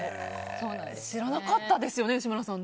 知らなかったですよね吉村さん。